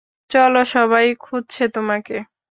চলো সবাই খুঁজছে তোমাকে।